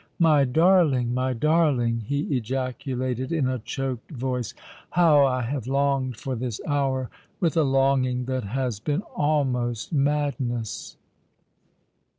" My darling ! my darling !" he ejaculated, in a choked voice, " how I have longed for this hour, with a longing that has been almost madness